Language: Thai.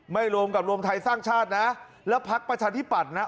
รวมกับรวมไทยสร้างชาตินะแล้วพักประชาธิปัตย์นะ